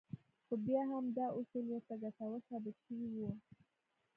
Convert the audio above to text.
خو بيا هم دا اصول ورته ګټور ثابت شوي وو.